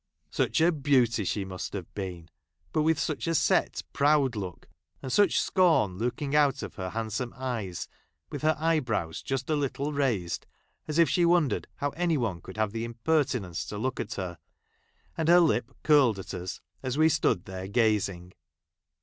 Such a beauty I she must have been ! but Avith such a set, proud look, and such scorn looking out of her . handsome eyes, with her eyebrows just a httle j raised, as if she wondered how any one could | have the impertinence to look at her ; and | her lip curled at us, as we stood there gazing.